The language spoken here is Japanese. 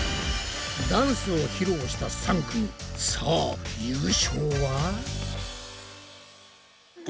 ダンスを披露した３組！さあ優勝は？